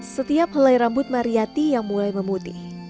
setiap helai rambut mariyati yang mulai memutih